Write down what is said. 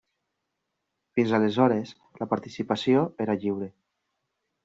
Fins aleshores la participació era lliure.